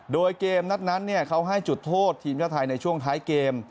โดยเกมนัดนั้นเขาให้จุดโทษทีมชาติไทยในช่วงท้ายเกม